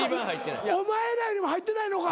お前らよりも入ってないのか？